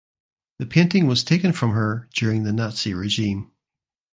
The painting was taken from her during the Nazi regime.